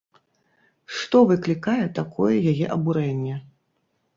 Што выклікае такое яе абурэнне?